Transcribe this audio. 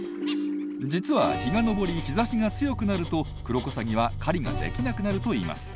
実は日が昇り日ざしが強くなるとクロコサギは狩りができなくなるといいます。